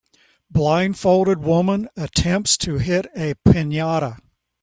Blindfolded woman attempts to hit a pinata